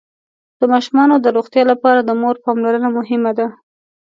د ماشومانو د روغتيا لپاره د مور پاملرنه مهمه ده.